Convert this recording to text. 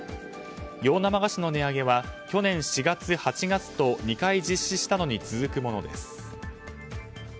洋生菓子の値上げは去年４月、８月と２回実施したのに続くものです。